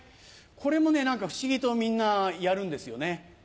これもね不思議とみんなやるんですよね。